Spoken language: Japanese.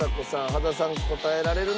羽田さん答えられるのか？